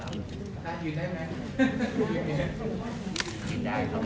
อ่าหยุดได้ไหมหยุดได้ครับ